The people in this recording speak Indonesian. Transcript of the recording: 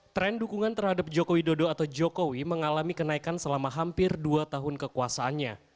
tren dukungan terhadap jokowi dodo atau jokowi mengalami kenaikan selama hampir dua tahun kekuasaannya